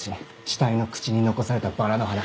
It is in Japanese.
死体の口に残されたバラの花。